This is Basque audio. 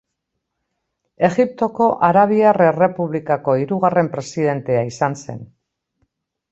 Egiptoko Arabiar Errepublikako hirugarren presidentea izan zen.